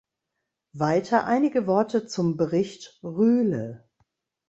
Weiter einige Worte zum Bericht Rühle.